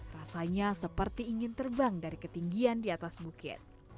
rasanya seperti ingin terbang dari ketinggian di atas bukit